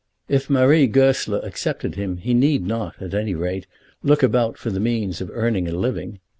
If Marie Goesler accepted him, he need not, at any rate, look about for the means of earning a living.